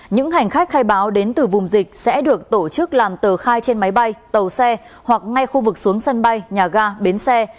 những hành khách khai báo đến từ vùng dịch sẽ được tổ chức làm tờ khai trên máy bay tàu xe hoặc ngay khu vực xuống sân bay nhà ga bến xe